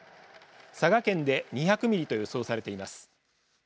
佐賀県で２００ミリと予想されています。